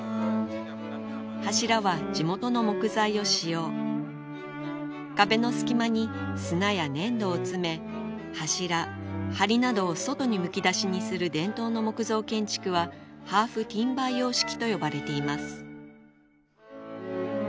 柱は地元の木材を使用壁の隙間に砂や粘土を詰め柱梁などを外にむき出しにする伝統の木造建築はハーフティンバー様式と呼ばれています